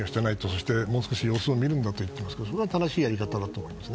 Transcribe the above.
そしてもう少し様子を見るといっていますがそれは正しいやり方だと思います。